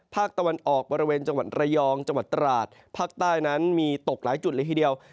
ภาคตะวันออกบริเวณจังหวัดระยองจังหวัดตราดภาคใต้นั้นมีตกหลายจุดเลยทีเดียว